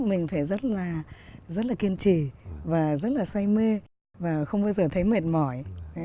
mình phải rất là kiên trì và rất là say mê và không bao giờ thấy mệt mỏi